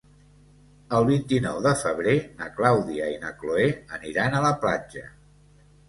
El vint-i-nou de febrer na Clàudia i na Cloè aniran a la platja.